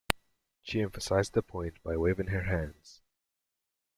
She emphasised the point by waving her hands.